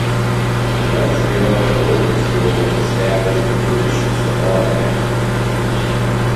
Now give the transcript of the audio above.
The once-renowned boarding school was established in British Somaliland.